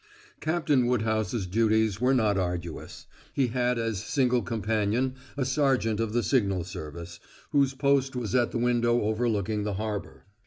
Captain Woodhouse's duties were not arduous. He had as single companion a sergeant of the signal service, whose post was at the window overlooking the harbor.